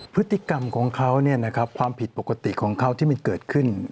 พฤติกรรมของเขาความผิดปกติของเขาที่มันเกิดขึ้น